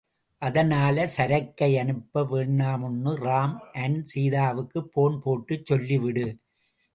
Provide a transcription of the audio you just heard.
அதனால சரக்கை அனுப்ப வேண்டாமுன்னு ராம் அண்ட் சீதாவுக்கு போன் போட்டுச் சொல்லிடு.